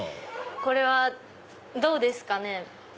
これはどうですかね？